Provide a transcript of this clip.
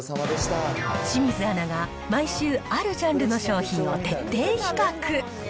清水アナが毎週、あるジャンルの商品を徹底比較。